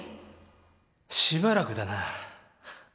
しばらくだな。